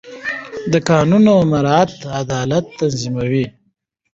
د قانون مراعت عدالت تضمینوي